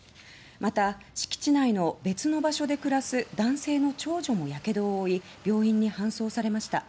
また、敷地内の別の場所で暮らす男性の長女もやけどを負い病院に搬送されました。